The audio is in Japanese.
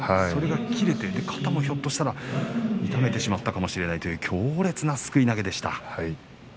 それが切れてひょっとしたら肩も痛めてしまったかもしれないという強烈なすくい投げでした。